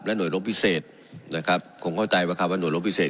และหน่วยโรคพิเศษนะครับคงเข้าใจว่าคำว่าหน่วยโรคพิเศษ